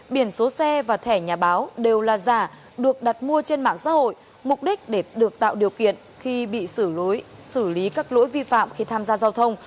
biển số xe và thẻ nhà báo đều là giả được đặt mua trên mạng xã hội mục đích để được tạo điều kiện khi bị xử lý xử lý các lỗi vi phạm khi tham gia giao thông